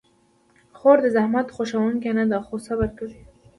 خور د زحمت خوښونکې نه ده، خو صبر کوي.